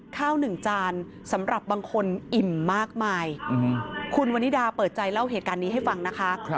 คุณวันนิดาเปิดใจเล่าเหตุการณ์นี้ให้ฟังนะคะ